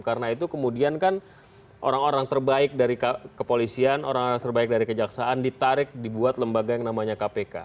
karena itu kemudian kan orang orang terbaik dari kepolisian orang orang terbaik dari kejaksaan ditarik dibuat lembaga yang namanya kpk